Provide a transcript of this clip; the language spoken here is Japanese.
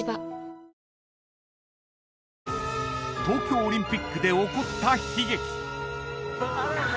［東京オリンピックで起こった悲劇］